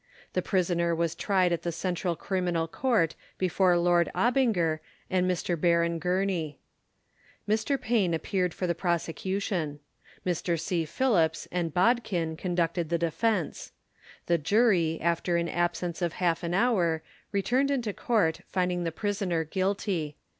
The prisoner was tried at the Central Criminal Court before Lord Abinger and Mr Baron Gurney. Mr Payne appeared for the prosecution. Mr C. Phillips and Bodkin conducted the defence. The Jury after an absence of half an hour returned into court finding the Prisoner GUILTY.